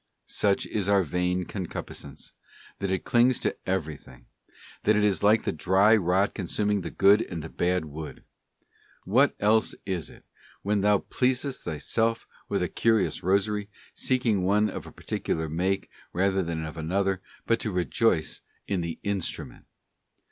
Such is our vain concupiscence, that it clings to every thing ; it is like the dry rot consuming the good and the bad wood. What else is it, when thou pleasest thyself with a curious rosary, seeking one of a particular make rather than of another, but to rejoice in the instrument?